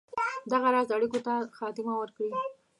دغه راز اړېکو ته خاتمه ورکړي.